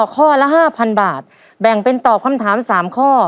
ข้อละห้าพันบาทแบ่งเป็นตอบคำถามสามข้อ